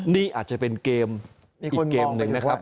นี่อาจจะเป็นเกมอีกเกมหนึ่งนะครับ